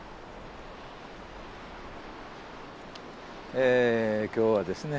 え今日はですね